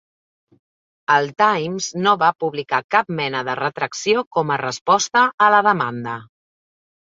El "Times" no va publicar cap mena de retracció com a resposta a la demanda.